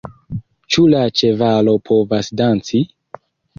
Ĉu la ĉevalo povas danci!?